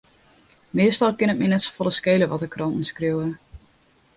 Meastal kin it my net safolle skele wat de kranten skriuwe.